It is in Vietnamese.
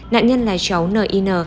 nạn nhân là cháu nin